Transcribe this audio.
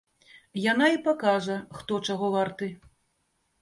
Яна і пакажа, хто чаго варты.